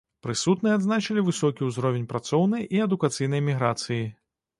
Прысутныя адзначылі высокі ўзровень працоўнай і адукацыйнай міграцыі.